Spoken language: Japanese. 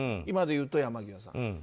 今でいうと山際さん。